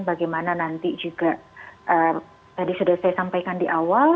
bagaimana nanti juga tadi sudah saya sampaikan di awal